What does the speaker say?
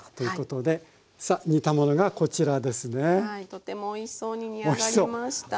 とてもおいしそうに煮上がりました。